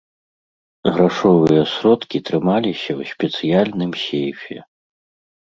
Грашовыя сродкі трымаліся ў спецыяльным сейфе.